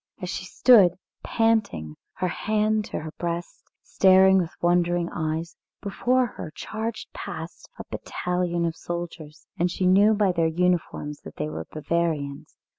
As she stood, panting, her hands to her breast, staring with wondering eyes, before her charged past a battalion of soldiers, and she knew by their uniforms that they were Bavarians.